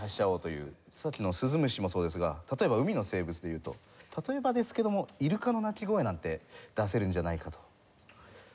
さっきの鈴虫もそうですが例えば海の生物でいうと例えばですけどもイルカの鳴き声なんて出せるんじゃないかと。